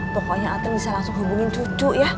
pokoknya aten bisa langsung hubungin cucu ya